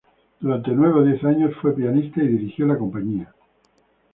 Durante nueve o diez años fue pianista y dirigió la compañía.